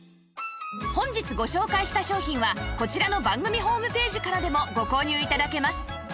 本日ご紹介した商品はこちらの番組ホームページからでもご購入頂けます